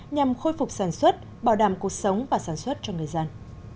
nhằm khôi phục sản xuất bảo đảm cuộc sống và sản xuất cho người dân